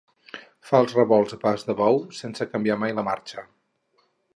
Fa els revolts a pas de bou, sense canviar mai de marxa.